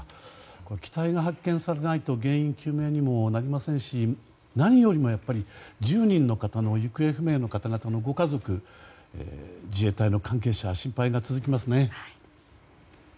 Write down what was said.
これは機体が発見されないと原因究明にもなりませんし何よりも１０人の方の行方不明の方々のご家族自衛隊の関係者心配が続きますね。